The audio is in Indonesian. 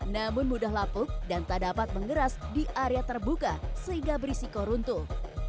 namun mudah lapuk dan tak dapat mengeras di area terbuka sehingga berisiko runtuh